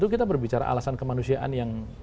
kita berbicara alasan kemanusiaan yang